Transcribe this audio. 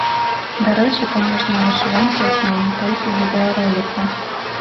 Дарэчы, памежная вышыванка існуе не толькі ў відэароліку.